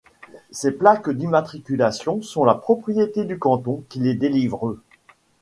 Ces plaques d'immatriculation sont la propriété du canton qui les délivrent.